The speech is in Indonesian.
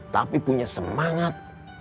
tapi punya semangat